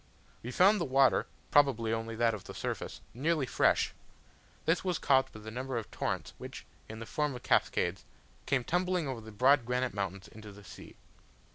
We found the water (probably only that of the surface) nearly fresh: this was caused by the number of torrents which, in the form of cascades, came tumbling over the bold granite mountains into the sea.